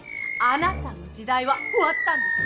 あなたの時代は終わったんです。